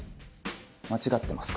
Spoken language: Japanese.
間違ってますか？